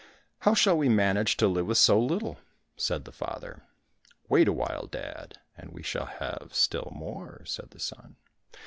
" How shall we manage to live with so little }" said the father. —" Wait a while, dad, and we shall have still more," said the son.